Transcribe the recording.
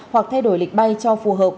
hoặc thay đổi lịch bay cho phù hợp